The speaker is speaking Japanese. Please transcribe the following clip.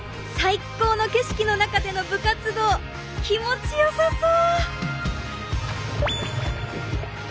いっこうの景色の中での部活動気持ちよさそう！